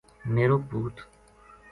میرو پُوت